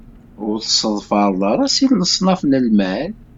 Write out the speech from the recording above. Ur tesseḍfareḍ ara sin n leṣnaf n lmal.